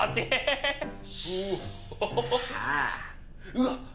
うわっ！